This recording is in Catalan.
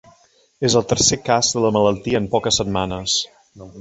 És el tercer cas de la malaltia en poques setmanes